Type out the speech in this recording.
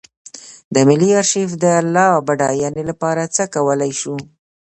د ملي ارشیف د لا بډاینې لپاره څه کولی شو.